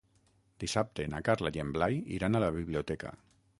Dissabte na Carla i en Blai iran a la biblioteca.